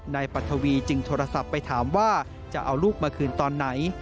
ปัทวีจึงโทรศัพท์ไปถามว่าจะเอาลูกมาคืนตอนไหน